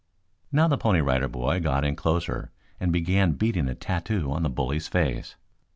Now the Pony Rider Boy got in closer and began beating a tattoo on the bully's face.